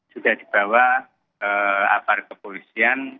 sudah dibawa ke apart kepolisian